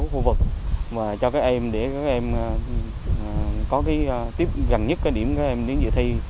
ba khu vực và cho các em để các em có tiếp gần nhất điểm các em đến dự thi